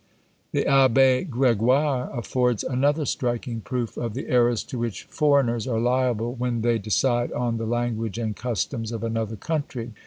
"_ The Abbé Gregoire affords another striking proof of the errors to which foreigners are liable when they decide on the language and customs of another country.